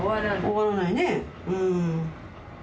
終わらないねうん。